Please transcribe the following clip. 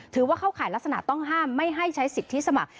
เข้าข่ายลักษณะต้องห้ามไม่ให้ใช้สิทธิสมัคร